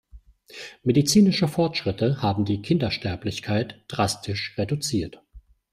Medizinische Fortschritte haben die Kindersterblichkeit drastisch reduziert.